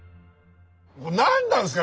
何なんですか？